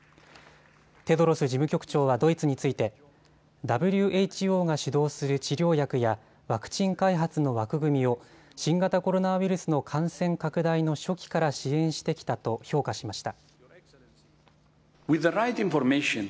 テドロス事務局長はドイツについてＷＨＯが主導する治療薬やワクチン開発の枠組みを新型コロナウイルスの感染拡大の初期から支援してきたと評価しました。